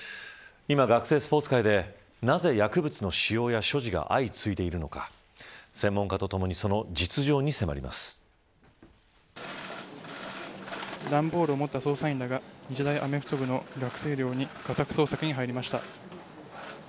今、学生スポーツ界でなぜ薬物の使用や所持が相次いでいるのか専門家とともに段ボールを持った捜査員らが日大アメフト部の学生寮に家宅捜索に入りました。